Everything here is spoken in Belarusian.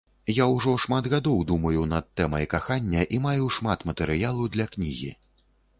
Я ўжо шмат гадоў думаю над тэмай кахання і маю шмат матэрыялу для кнігі.